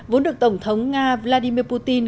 vốn được tổng thống nga vladimir putin